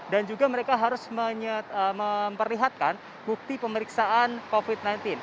dan juga mereka harus memperlihatkan bukti pemeriksaan covid sembilan belas